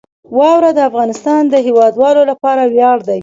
واوره د افغانستان د هیوادوالو لپاره ویاړ دی.